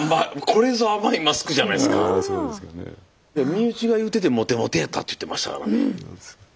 身内が言っててモテモテやったって言ってましたからね。